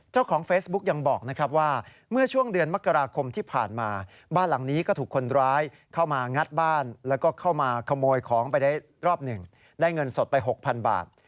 เจ้าของเฟซบุ๊กยังบอกนะครับว่าเมื่อช่วงเดือนมกราคมที่ผ่านมาบ้านหลังนี้ก็ถูกคนร้ายเข้ามางัดบ้านแล้วก็เข้ามาขโมยของไปได้รอบหนึ่งได้เงินสดไป๖๐๐๐บาท